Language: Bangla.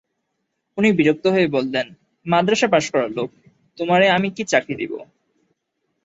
উনি বিরক্ত হয়ে বললেন, মাদ্রাসা পাস-করা লোক, তোমারে আমি কী চাকরি দিব!